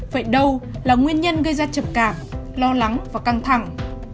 vậy đâu là nguyên nhân gây ra trầm cảm lo lắng và căng thẳng